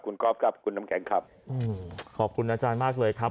คุณก๊อฟครับคุณน้ำแข็งครับขอบคุณอาจารย์มากเลยครับ